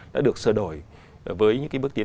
đã được sửa đổi với những bước tiến